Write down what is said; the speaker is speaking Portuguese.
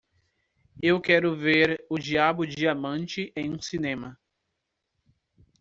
Eu quero ver o Diabo Diamante em um cinema.